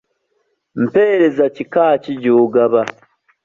Mpeereza kika ki gy'ogaba?